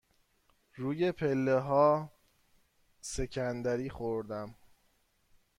روی پله ها سکندری خوردم.